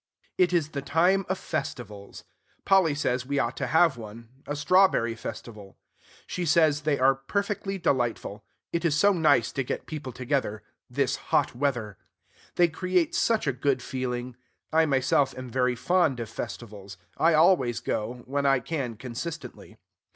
It is the time of festivals. Polly says we ought to have one, a strawberry festival. She says they are perfectly delightful: it is so nice to get people together! this hot weather. They create such a good feeling! I myself am very fond of festivals. I always go, when I can consistently.